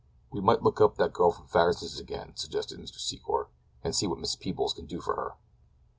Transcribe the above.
"We might look up that girl from Farris's again," suggested Mr. Secor, "and see what Miss Peebles can do for her."